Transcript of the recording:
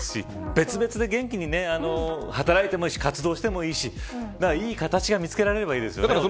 別々に元気で働いて活動してもいいしいい形が見つけられればいいですよね